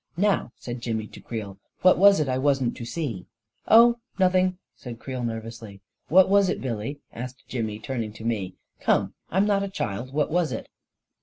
"Now," said Jimmy to Creel, "what was it I wasn't to see ?"" Oh, nothing 1 " said Creel nervously. " What was it, Billy? " asked Jimmy, turning to me. " Come, I'm not a child. What was it